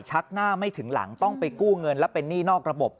ชักหน้าไม่ถึงหลังต้องไปกู้เงินและเป็นหนี้นอกระบบ